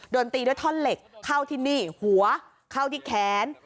โดนตีด้วยท่อนเหล็กเข้าที่นี่หัวเข้าที่แขน